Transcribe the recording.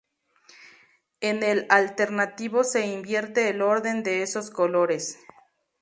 En el alternativo se invierte el orden de esos colores.